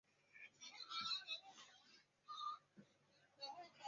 担任本片的执行制片人。